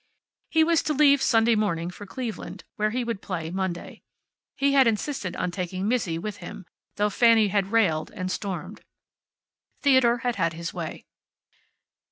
He was to leave Sunday morning for Cleveland, where he would play Monday. He had insisted on taking Mizzi with him, though Fanny had railed and stormed. Theodore had had his way.